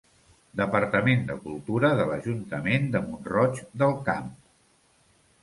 Departament de Cultura de l'Ajuntament de Mont-roig del Camp.